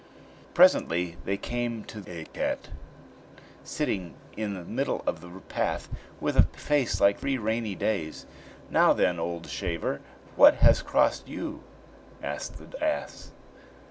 Presently they came to a cat, sitting in the middle of the path, with a face like three rainy days! "Now, then, old shaver, what has crossed you?" asked the ass.